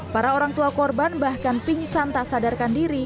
para orang tua korban bahkan pingsan tak sadarkan diri